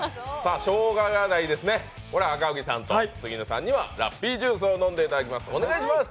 しようがないですね、赤荻さんと杉野さんにはラッピージュースを飲んでいただきます、お願いします！